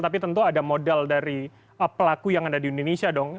tapi tentu ada modal dari pelaku yang ada di indonesia dong